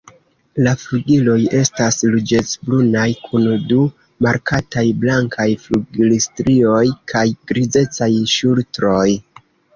La flugiloj estas ruĝecbrunaj kun du markataj blankaj flugilstrioj kaj grizecaj ŝultroj.